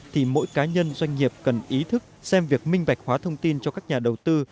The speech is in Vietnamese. thì mỗi cá nhân doanh nghiệp cần ý thức xem việc minh bạch hóa thông tin cho các nhà đầu tư